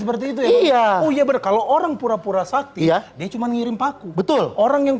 seperti itu ya iya oh ya berkala orang pura pura sakti dia cuman ngirim paku betul orang yang